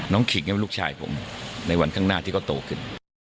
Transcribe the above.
ขิงก็เป็นลูกชายผมในวันข้างหน้าที่เขาโตขึ้น